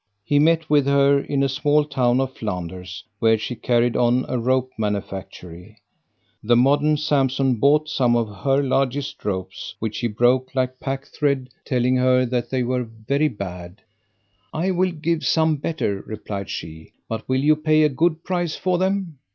He met with her in a small town of Flanders, where she carried on a rope manufactury. The modern Sampson bought some of her largest ropes which he broke like pack thread, telling her they were very bad. "I will give some better," replied she, "but will you pay a good price for them?"